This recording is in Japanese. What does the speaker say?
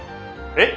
えっ？